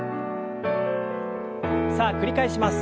さあ繰り返します。